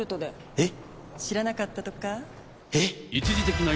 えっ！